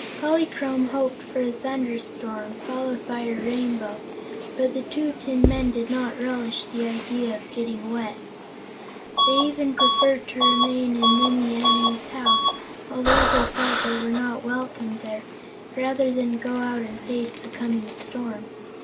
Polychrome hoped for a thunder storm, followed by her Rainbow, but the two tin men did not relish the idea of getting wet. They even preferred to remain in Nimmie Amee's house, although they felt they were not welcome there, rather than go out and face the coming storm.